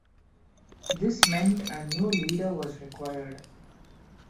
This meant a new leader was required.